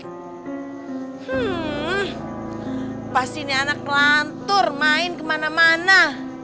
hmm pas ini anak lantur main kemana mana